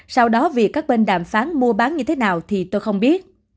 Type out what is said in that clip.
sau đó vì các bên đàm phán mua bán như thế nào thì tôi không biết